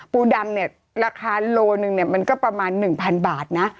ปูดำเนี่ยราคาโลหนึ่งเนี่ยมันก็ประมาณ๑๐๐บาทนะ